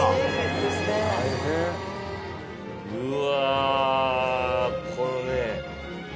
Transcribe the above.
うわこのね。